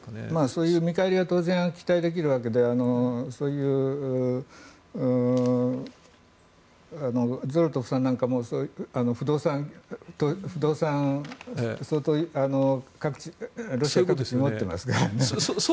そういう見返りは当然、期待できるわけでゾロトフさんなんかも不動産を相当、ロシア各地に持ってますからね。